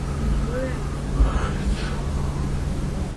misingi bora ya kisasa inadumisha maendeleo